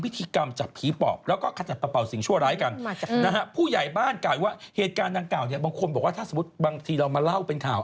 คุณก็ต้องมาจากนั้นประมาณผู้ใหญ่บ้านกลายเป็นว่าเหตุการณ์ดังเก่าบางคนบอกถ้าบางทีเรามาเล่าเป็นข่าว